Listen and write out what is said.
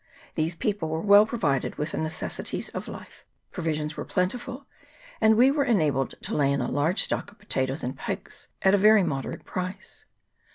These people were well provided with the necessaries of life; provisions were plentiful, and we were enabled to lay in a large stock of potatoes and pigs at a very moderate price.